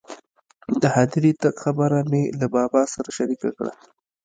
د هدیرې تګ خبره مې له بابا سره شریکه کړه.